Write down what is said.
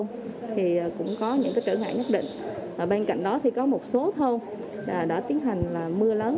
những trở ngại nhất định bên cạnh đó có một số thôn đã tiến hành mưa lớn